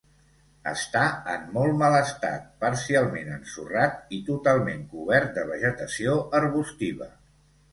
Està en molt mal estat, parcialment ensorrat, i totalment cobert de vegetació arbustiva.